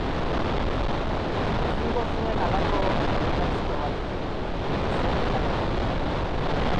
Ezingo zuen halako zorigaizto batetik inoiz onik atera.